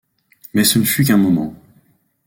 Mais ce ne fut qu’un moment.